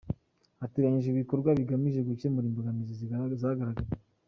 Hateganyijwe ibikorwa bigamije gukemura imbogamizi zagaragaye.